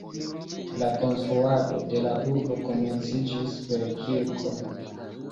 La konstruado de la urbo komenciĝis per kirko.